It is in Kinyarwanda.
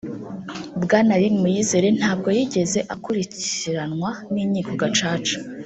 Bwana Lin Muyizere ntabwo yigeze akurikiranwa n’inkiko Gacaca